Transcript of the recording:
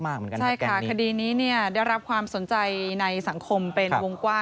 เหมือนกันใช่ค่ะคดีนี้เนี่ยได้รับความสนใจในสังคมเป็นวงกว้าง